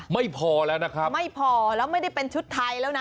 ไม่พอแล้วนะครับไม่พอแล้วไม่ได้เป็นชุดไทยแล้วนะ